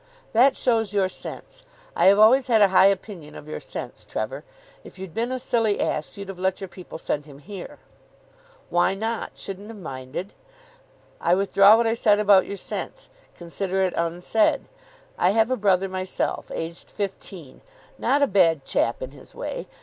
"That shows your sense. I have always had a high opinion of your sense, Trevor. If you'd been a silly ass, you'd have let your people send him here." "Why not? Shouldn't have minded." "I withdraw what I said about your sense. Consider it unsaid. I have a brother myself. Aged fifteen. Not a bad chap in his way.